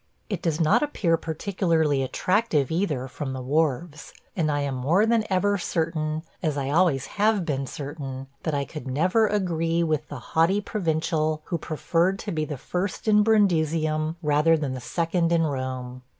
It does not appear particularly attractive either from the wharves, and I am more than ever certain – as I always have been certain – that I could never agree with the haughty provincial who preferred to be first in Brundusium rather than second in Rome.